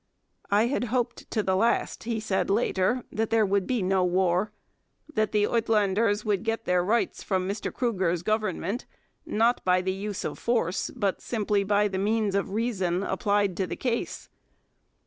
'I had hoped to the last,' he said later, 'that there would be no war ... that the Uitlanders would get their rights from Mr Kruger's Government, not by the use of force but simply by the means of reason applied to the case.'